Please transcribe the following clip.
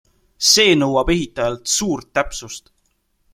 See nõuab ehitajalt suurt täpsust.